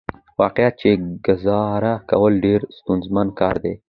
واقعيت چې ګزاره کول ډېره ستونزمن کار دى .